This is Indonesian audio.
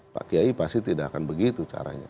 pak kiai pasti tidak akan begitu caranya